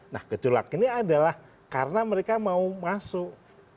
nah gejolak ini adalah karena mereka mau masuk